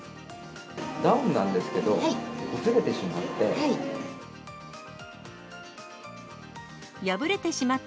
ダウンなんですけど、ほつれてしまって。